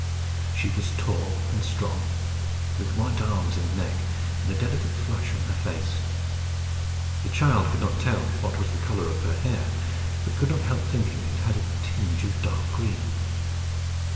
She was tall and strong, with white arms and neck, and a delicate flush on her face. The child could not tell what was the colour of her hair, but could not help thinking it had a tinge of dark green.